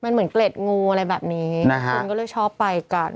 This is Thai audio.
เหมือนเกร็ดงูอะไรแบบนี้นี่คุณก็ชอบไปกัน